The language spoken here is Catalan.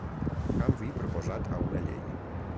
Canvi proposat a una llei.